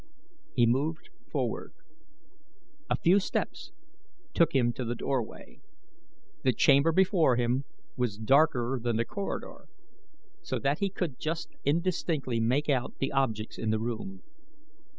He moved forward. A few steps took him to the doorway. The chamber before him was darker than the corridor, so that he could just indistinctly make out the objects in the room.